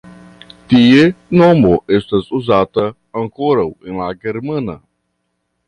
Tie nomo estas uzata ankoraŭ en la germana.